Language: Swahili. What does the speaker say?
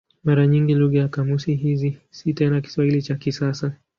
Mara nyingi lugha ya kamusi hizi si tena Kiswahili cha kisasa.